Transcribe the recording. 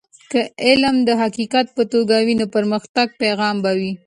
که علم د حقیقت په توګه وي نو د پرمختګ پیغام به وي.